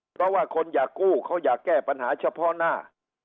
เพราะว่าคนอยากกู้เขาอยากแก้ปัญหาเฉพาะหน้า